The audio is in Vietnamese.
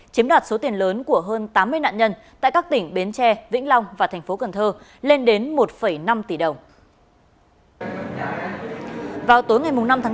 chiếm đạt số tiền lớn của hơn tám mươi nạn nhân tại các tỉnh bến tre vĩnh long và tp cn lên đến một năm tỷ đồng